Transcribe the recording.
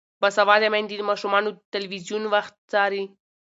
باسواده میندې د ماشومانو د تلویزیون وخت څاري.